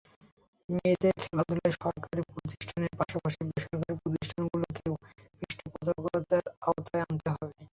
মেয়েদের খেলাধুলায় সরকারি প্রতিষ্ঠানের পাশাপাশি বেসরকারি প্রতিষ্ঠানগুলোকেও পৃষ্ঠপোষকতার আওতায় আনতে হবে।